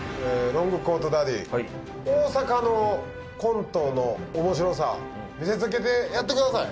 ロングコートダディはい大阪のコントの面白さ見せつけてやってください